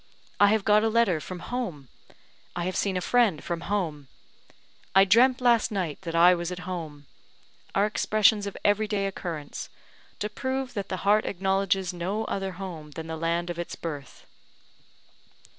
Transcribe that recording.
"I have got a letter from home!" "I have seen a friend from home!" "I dreamt last night that I was at home!" are expressions of everyday occurrence, to prove that the heart acknowledges no other home than the land of its birth.